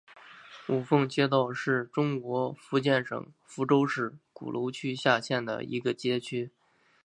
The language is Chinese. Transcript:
五凤街道是中国福建省福州市鼓楼区下辖的一个街道。